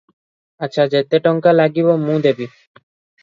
ଆଚ୍ଛା ଯେତେ ଟଙ୍କା ଲାଗିବ, ମୁଁ ଦେବି ।